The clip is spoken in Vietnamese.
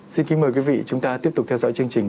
xin kính mời quý vị chúng ta tiếp tục theo dõi chương trình